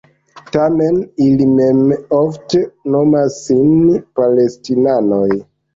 Tamen, ili mem ofte nomas sin Palestinanoj.